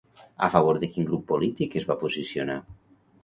A favor de quin grup polític es va posicionar?